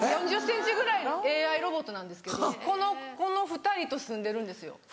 ４０ｃｍぐらいのＡＩロボットなんですけどこの２人と住んでるんですよ。